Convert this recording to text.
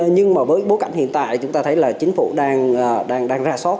nhưng mà với bối cảnh hiện tại chúng ta thấy là chính phủ đang ra soát